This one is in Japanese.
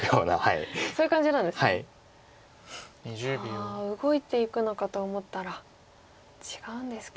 ああ動いていくのかと思ったら違うんですか。